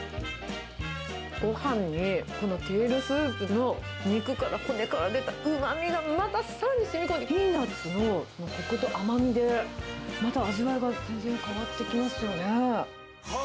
ごはんにこのテールスープの、肉から骨から出たうまみがまたさらにしみこんで、ピーナツのこくと甘みでまた味わいが全然変わってきますよね。